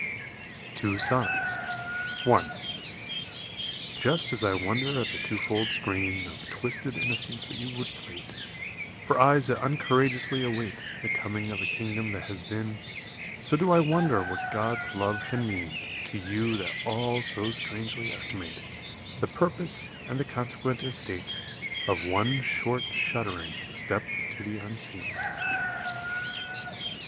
Two Sonnets I Just as I wonder at the twofold screen Of twisted innocence that you would plait For eyes that uncourageously await The coming of a kingdom that has been, So do I wonder what God's love can mean To you that all so strangely estimate The purpose and the consequent estate Of one short shuddering step to the Unseen.